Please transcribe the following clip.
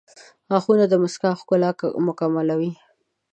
• غاښونه د مسکا ښکلا مکملوي.